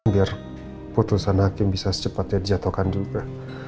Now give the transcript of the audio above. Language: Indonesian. biar putusan hakim bisa secepatnya dijatuhkan juga